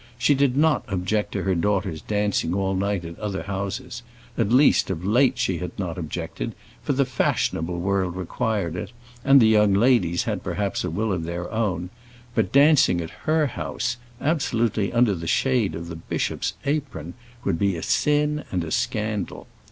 She did not object to her daughters dancing all night at other houses at least, of late she had not objected, for the fashionable world required it, and the young ladies had perhaps a will of their own but dancing at her house absolutely under the shade of the bishop's apron would be a sin and a scandal.